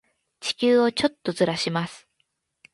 地球をちょっとずらします。